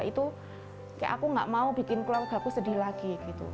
itu kayak aku gak mau bikin keluarga aku sedih lagi gitu